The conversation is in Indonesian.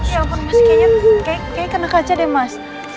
ya ampun mas kayaknya kena kaca deh mas